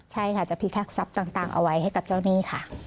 ใช่ค่ะจะพิทักษัพต่างเอาไว้ให้กับเจ้าหนี้ค่ะ